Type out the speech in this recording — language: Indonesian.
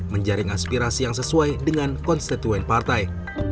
menjaring aspirasi yang sesuai dengan konstituen partai